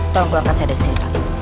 tolong keluarkan saya dari sini pak